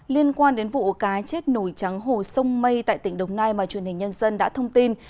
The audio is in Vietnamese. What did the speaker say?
liên quan đến vụ cá chết nổi trắng hồ sông mây tại tỉnh đồng nai mà truyền hình nhân dân đã thông tin